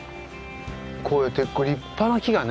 こうやって立派な木がね。